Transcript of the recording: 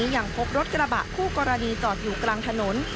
ยังพบรถกระบะคู่กรณีจอดอยู่กลางถนน